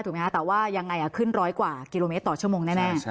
แต่ว่ายังไงขึ้นร้อยกว่ากิโลเมตรต่อชั่วโมงแน่